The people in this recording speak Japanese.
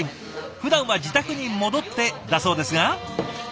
ふだんは自宅に戻ってだそうですが。